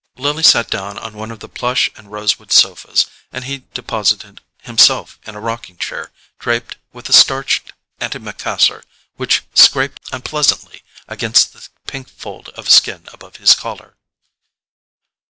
Lily sat down on one of the plush and rosewood sofas, and he deposited himself in a rocking chair draped with a starched antimacassar which scraped unpleasantly against the pink fold of skin above his collar.